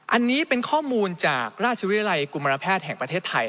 อันนี้เป็นข้อมูลจากราชวิทยาลัยกุมารแพทย์แห่งประเทศไทย